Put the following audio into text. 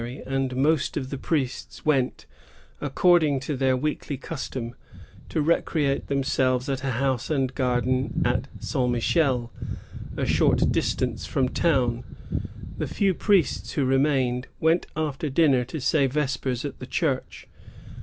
187 and most of the priests went, according to their weekly custom, to recreate themselves at a house and garden at St. Michel, a short distance from town. The few priests who remained went after dinner to say vespers at the church.